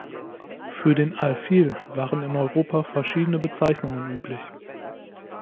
Für den Alfil waren in Europa verschiedene Bezeichnungen üblich.